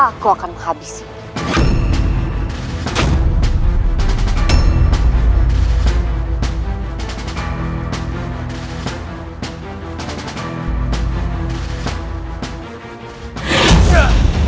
aku akan menghabisimu